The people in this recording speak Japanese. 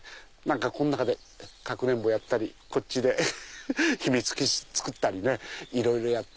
この中で隠れんぼやったりこっちで秘密基地作ったりねいろいろやって。